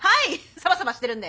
サバサバしてるんで。